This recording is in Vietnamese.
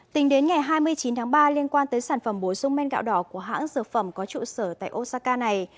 tình đến ngày hai mươi chín tháng ba liên quan tới sản phẩm bối dung men gạo đỏ của hãng dược phẩm có trụ sở tại osaka này